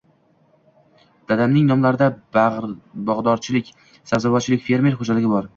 Dadamning nomlarida bogʼdorchilik, sabzavotchilik fermer xoʼjaligi bor.